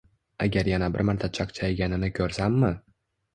Agar yana bir marta chaqchayganingni ko‘rsammi?